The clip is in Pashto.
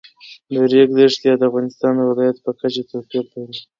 د ریګ دښتې د افغانستان د ولایاتو په کچه توپیر لري.